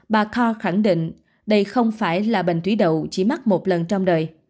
bà kha khẳng định đây không phải là bệnh thủy đậu chỉ mắc một lần trong đời